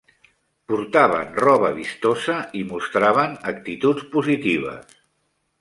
Portaven roba vistosa i mostraven actituds positives.